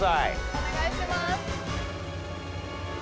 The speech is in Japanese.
お願いします。